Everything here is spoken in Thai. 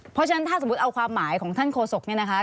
เพราะฉะนั้นถ้าสมมุติเอาความหมายของท่านโฆษกเนี่ยนะคะ